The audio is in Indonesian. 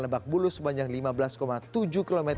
lebak bulu sepanjang lima belas tujuh km